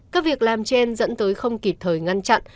các việc làm trên dẫn tới không kịp thời ngăn chặn